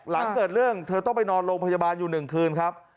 หลังเกิดเรื่องเธอต้องไปนอนโรงพยาบาลอยู่๑คืนครับ